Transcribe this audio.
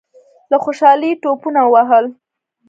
له خوشالۍ ټوپونه ووهل.